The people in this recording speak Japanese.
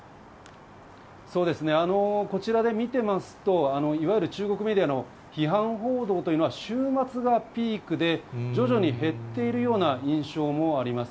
そうですね、こちらで見てますと、いわゆる中国メディアの批判報道というのは週末がピークで、徐々に減っているような印象もあります。